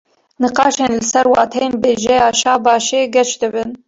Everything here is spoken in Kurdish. Nîqaşên li ser wateyên bêjeya "şabaş"ê geş dibin